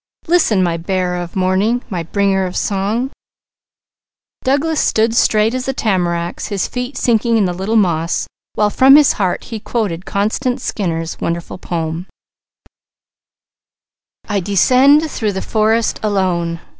Listen my 'Bearer of Morning,' my 'Bringer of Song '" Douglas stood straight as the tamaracks, his feet sinking in "the little moss," while from his heart he quoted Constance Skinner's wonderful poem: "_I descend through the forest alone.